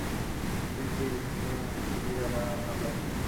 Triste y deprimido de su vida va a una playa.